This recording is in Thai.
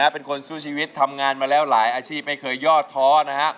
เป็นคนสู้ชีวิตทำงานมาแล้วหลายอาชีพไม่เคยยอดท้อนะฮะ